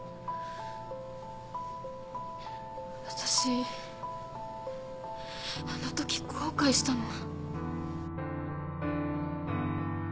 私あのとき後悔したの。